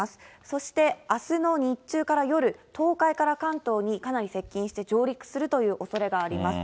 そしてあすの日中から夜、東海から関東にかなり接近して上陸するというおそれがあります。